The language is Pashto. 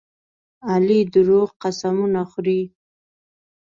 علي دروغ قسمونه خوري.